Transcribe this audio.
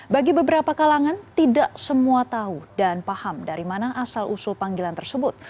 bagi beberapa kalangan tidak semua tahu dan paham dari mana asal usul panggilan tersebut